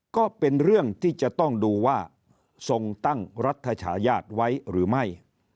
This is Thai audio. ก็เป็นเรื่องที่จะต้องดูว่าทรงตั้งรัฐฉายาทไว้หรือไม่